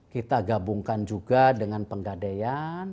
kita gabungkan juga dengan penggadean